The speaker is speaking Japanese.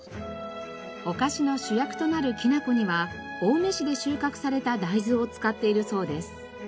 お菓子の主役となるきなこには青梅市で収穫された大豆を使っているそうです。